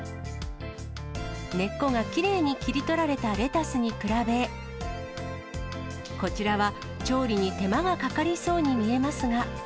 根っこがきれいに切り取られたレタスに比べ、こちらは、調理に手間がかかりそうに見えますが。